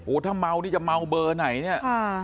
ถ้าเมานี่จะเมาเบอร์ไหนเนี่ย